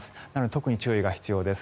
特に注意が必要です。